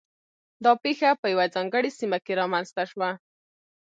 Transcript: دا پېښه په یوه ځانګړې سیمه کې رامنځته شوه.